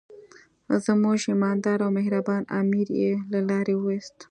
زموږ ایماندار او مهربان امیر یې له لارې وایست.